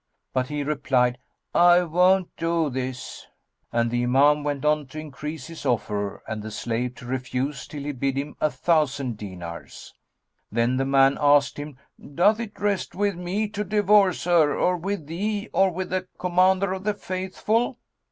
But he replied, "I won't do this;" and the Imam went on to increase his offer, and the slave to refuse till he bid him a thousand dinars. Then the man asked him, "Doth it rest with me to divorce her, or with thee or with the Commander of the Faithful?"